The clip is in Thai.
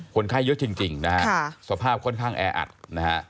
คนไข้เยอะจริงนะฮะสภาพค่อนข้างแออัดนะฮะ